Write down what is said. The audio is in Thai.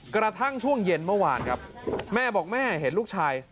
กระทั่งช่วงเย็นเมื่อวานครับแม่บอกแม่เห็นลูกชาย